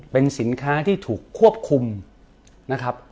เป็นสินค้าที่ถูกควบคุมนะครับ